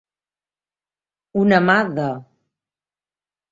Una mà de.